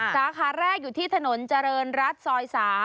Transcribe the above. สาขาแรกอยู่ที่ถนนเจริญรัฐซอย๓